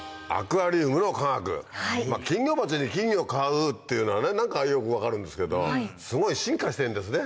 金魚鉢に金魚飼うっていうのは何かよく分かるんですけどすごい進化してるんですね。